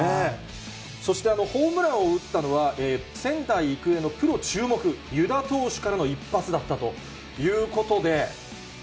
そしてホームランを打ったのは、仙台育英のプロ注目、湯田投手からの一発だったということで。